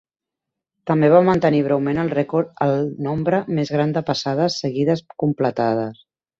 També va mantenir breument el rècord al nombre més gran de passades seguides completades.